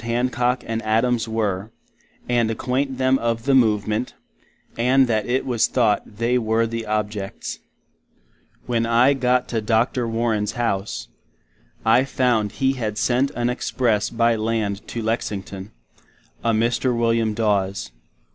Hancock and Adams were, and acquaint them of the Movement, and that it was thought they were the objets. When I got to Dr. Warren's house, I found he had sent an express by land to Lexington—a Mr. Wm. Daws.